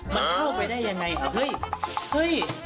มันเข้าไปได้ยังไงเหรอเฮ้ยเฮ้ย